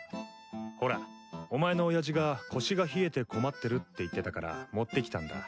ほらお前の親父が腰が冷えて困ってるって言ってたから持ってきたんだ。